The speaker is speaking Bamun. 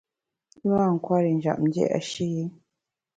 I mâ nkwer i njap dia’shi.